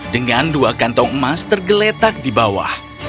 dengan dua kantong emas tergeletak di bawah